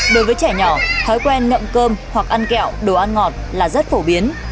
đối với trẻ nhỏ thói quen ngậm cơm hoặc ăn kẹo đồ ăn ngọt là rất phổ biến